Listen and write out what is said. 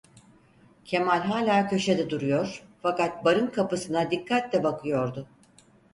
Kemal hala köşede duruyor, fakat barın kapısına dikkatle bakıyordu.